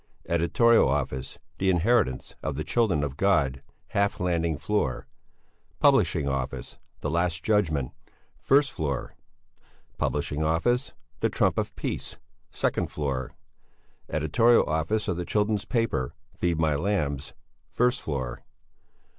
Editorial office, The Inheritance of the Children of God, half landing floor. Publishing office, The Last Judgment, first floor. Publishing office, The Trump of Peace, second floor. Editorial office of the children's paper, Feed My Lambs, first floor.